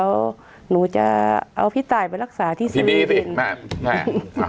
แล้วหนูจะเอาพี่ไต่ไปรักษาที่สวีเดนพี่บีสิแม่แม่อ่า